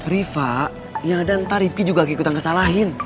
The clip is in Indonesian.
riva ya dan rivki juga keikutan kesalahin